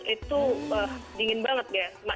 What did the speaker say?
itu dingin banget ya